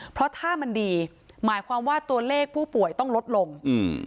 เพราะถ้ามันดีหมายความว่าตัวเลขผู้ป่วยต้องลดลงอืม